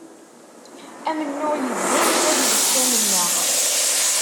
Amennuɣ yezga yella d wussan-nneɣ.